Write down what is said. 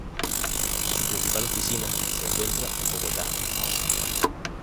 Su principal oficina se encuentra en Bogotá.